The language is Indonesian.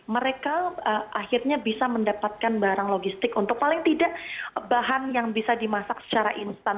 mereka akhirnya bisa mendapatkan barang logistik untuk paling tidak bahan yang bisa dimasak secara instan